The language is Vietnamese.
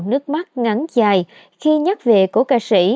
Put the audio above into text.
nước mắt ngắn dài khi nhắc về cố ca sĩ